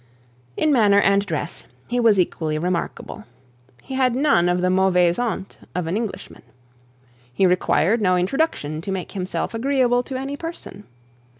manner and dress he was equally remarkable. He had none of the mauvaise honte of an Englishman. He required no introduction to make himself agreeable to any person.